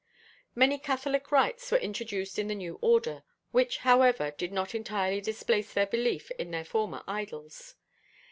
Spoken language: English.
Many catholic rites were introduced in the new order, which however did not entirely displace their belief in their former idols.